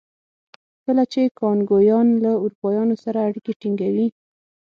کله چې کانګویان له اروپایانو سره اړیکې ټینګوي.